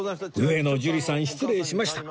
上野樹里さん失礼しました